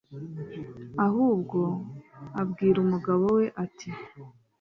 ahubwo abwira umugabo we, ati